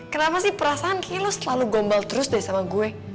kenapa sih perasaan kilo selalu gombal terus deh sama gue